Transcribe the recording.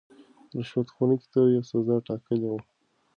رشوت خوړونکو ته يې سزا ټاکلې وه.